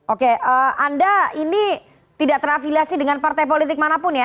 oke anda ini tidak terafiliasi dengan partai politik manapun ya